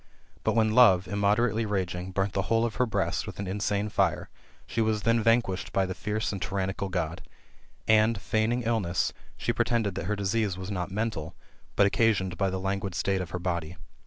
But when love, immoderately raging, burnt the whole of her breast with an insane fire, she was then vanquished by the fierce and tyran nical God ; and, feigning illness, she pretended that her disease was not mental, but occasioned by the languid state of her body.